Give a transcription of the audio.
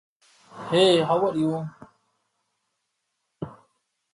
After the incident both vessels were able to continue under their own power.